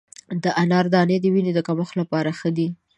د انار دانې د وینې د کمښت لپاره ښه دي.